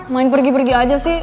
main pergi pergi aja sih